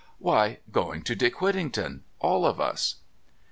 "Why, going to Dick Whittington all of us."